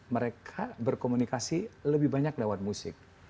mereka berkomunikasi lebih banyak lewat musik